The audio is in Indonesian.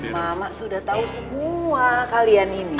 ma'am ma'am sudah tau semua kalian ini